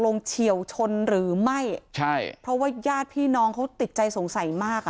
นี่คุณผู้ชม